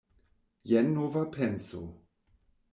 Jen nova penso!